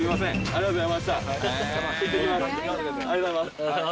ありがとうございますああ